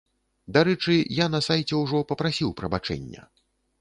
Дарэчы, я на сайце ўжо папрасіў прабачэння!